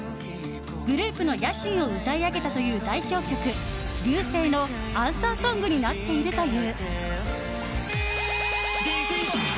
グループの野心を歌い上げたという代表曲「Ｒ．Ｙ．Ｕ．Ｓ．Ｅ．Ｉ．」のアンサーソングになっているという。